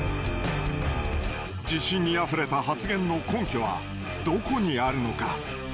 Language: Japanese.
自信にあふれた発言の根拠はどこにあるのか。